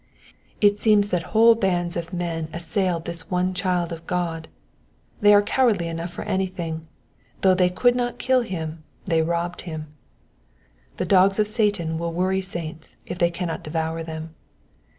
It seems that whole bands of men assailed this one child of God, they are cowardly enough for anything ; though they could not kill him, they robbed him ; the dogs of Satan will worry saints if they cannot devour them.